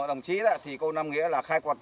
đồng chí đó thì cô nam nghĩa là khai quật